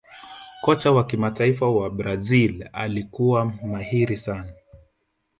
kocha wa kimataifa wa Brazil alikuwa mahiri sana